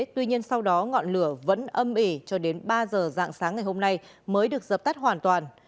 tuy nhiên sau đó ngọn lửa vẫn âm ỉ cho đến ba giờ dạng sáng ngày hôm nay mới được dập tắt hoàn toàn